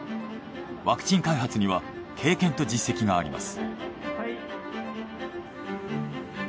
ワクチン開発には経験と実績があります。